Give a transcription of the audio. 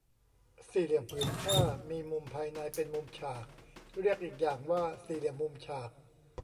สี่เหลี่ยมผืนผ้า มีมุมภายในเป็นมุมฉาก เรียกอีกอย่างว่าสี่เหลี่ยมมุมฉาก